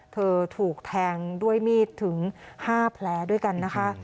ถูกแทงด้วยมีดถึง๕แผลด้วยกันนะคะ